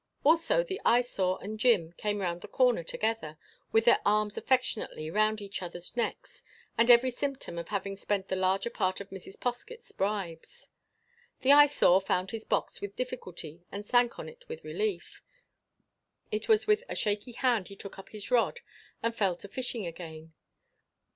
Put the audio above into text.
Also the Eyesore and Jim came round the corner together, with their arms affectionately round each other's necks and every symptom of having spent the larger part of Mrs. Poskett's bribes. The Eyesore found his box with difficulty and sank on it with relief. It was with a shaky hand he took up his rod and fell to fishing again.